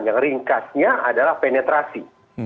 yang ringkasnya adalah penetrasi